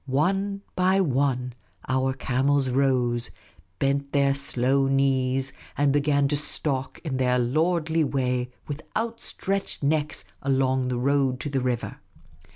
One by one the camels rose, bent their slow knees, and began to stalk in their lordly way with out stretched necks along the road to the river.